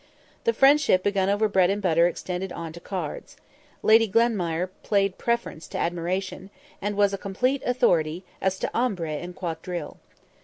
The friendship begun over bread and butter extended on to cards. Lady Glenmire played Preference to admiration, and was a complete authority as to Ombre and Quadrille.